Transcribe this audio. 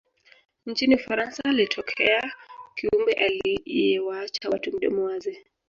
nchini ufaransa alitokea kiumbe aliyewaacha watu midomo wazi